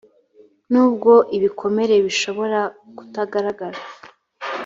nubwo ibikomere bishobora kutagaragara